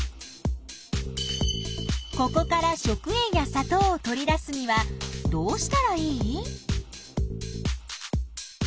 ここから食塩やさとうを取り出すにはどうしたらいい？